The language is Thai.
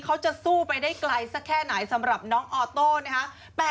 เขาจะสู้ไปได้ไกลสักแค่ไหนสำหรับน้องออโต้นะคะ